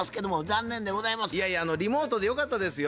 いやいやリモートでよかったですよ。